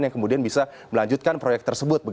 yang kemudian bisa melanjutkan proyek tersebut